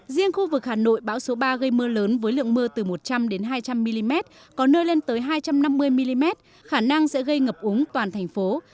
riêng khu vực hà nội bão số ba gây mưa lớn với lượng mưa từ một trăm linh hai trăm linh mm có nơi lên tới hai trăm năm mươi mm khả năng sẽ gây ngập úng toàn thành phố